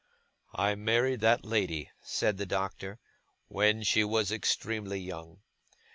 'I married that lady,' said the Doctor, 'when she was extremely young.